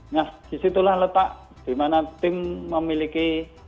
nah disitulah letak di mana tim memiliki